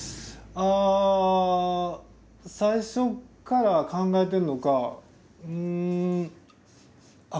あ最初から考えてるのかうんあっ